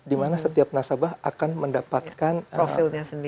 dimana setiap nasabah akan mendapatkan profilnya masing masing